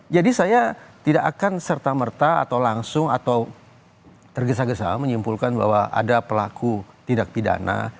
jadi saya tidak akan serta merta atau langsung atau tergesa gesa menyimpulkan bahwa ada pelaku tidak pidana